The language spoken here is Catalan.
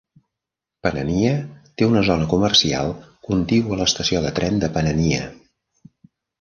Panania té una zona comercial contigua a l'estació de tren de Panania.